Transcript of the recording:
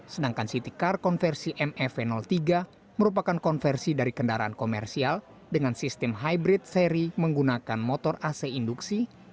sedangkan city car konversi mev tiga merupakan konversi dari kendaraan komersial dengan sistem hybrid seri menggunakan motor ac induksi dengan daya tiga puluh dua kw dan kapasitas baterai satu ratus dua a hour